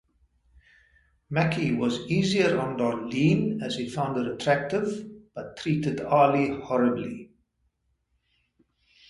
Macki was easier on Darlene as he found her attractive, but treated Ali horribly.